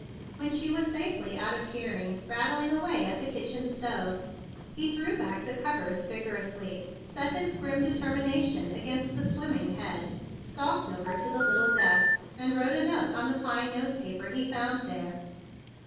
When she was safely out of hearing, rattling away at the kitchen stove, he threw back the covers vigorously, set his grim determination against the swimming head, stalked over to the. little desk, and wrote a note on the fine note paper he found there.